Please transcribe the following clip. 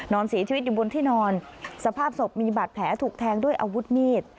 นอนเสียชีวิตอยู่บนที่นอนสภาพศพมีบาดแผลถูกแทงด้วยอาวุธมีด